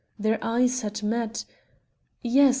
Their eyes had met.... Yes!